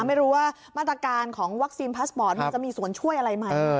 ไม่รู้ว่ามาตรการของวัคซีนพาสปอร์ตมันจะมีส่วนช่วยอะไรไหม